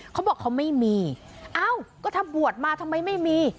เขาบอกเขาไม่มีเอ้าก็ถ้าบวชมาทำไมไม่มี